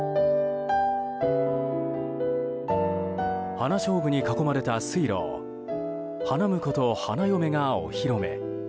ハナショウブに囲まれた水路を花婿と花嫁がお披露目。